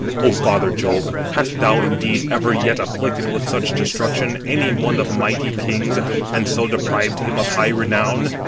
Ο father Jove, hast thou indeed ever yet afflicted with such destruction any one of mighty kings, and so deprived him of high renown?